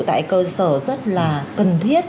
tại cơ sở rất là cần thiết